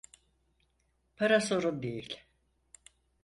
Para sorun değil.